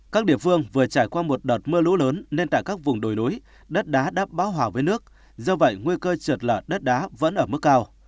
các địa phương vừa trải qua một đợt mưa lũ lớn nên tại các vùng đồi núi đất đá đắp báo hòa với nước do vậy nguy cơ trượt lở đất đá vẫn ở mức cao